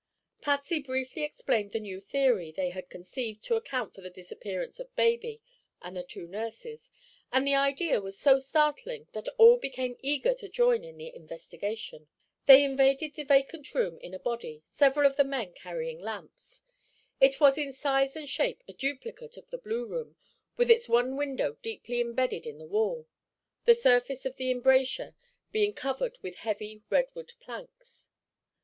Patsy briefly explained the new theory they had conceived to account for the disappearance of baby and the two nurses, and the idea was so startling that all became eager to join in the investigation. They invaded the vacant room in a body, several of the men carrying lamps. It was in size and shape a duplicate of the blue room, with its one window deeply embedded in the wall, the surface of the embrasure being covered with heavy redwood planks.